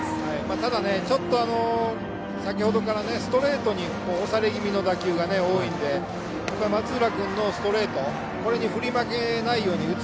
ただ、先ほどからストレートに押され気味の打球が多いので松浦君のストレートこれに振り負けないように打つ。